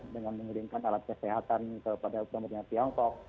dengan mengirimkan alat kesehatan kepada pemerintah tiongkok